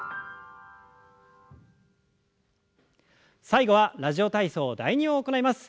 最後は「ラジオ体操第２」を行います。